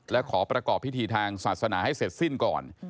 และขอประกอบพิธีทางศาสนาให้เสร็จสิ้นก่อน